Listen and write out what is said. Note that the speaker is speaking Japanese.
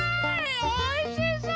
おいしそう！